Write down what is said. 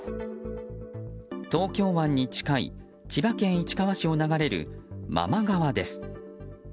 東京湾に近い千葉県市川市を流れる真間川です。